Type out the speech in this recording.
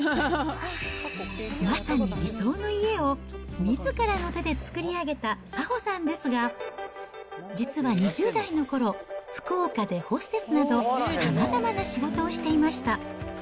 まさに理想の家をみずからの手で作り上げた早穂さんですが、実は２０代のころ、福岡でホステスなど、さまざまな仕事をしていました。